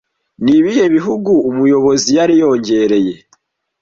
Nibihe bihugu umuyobozi yari yongereye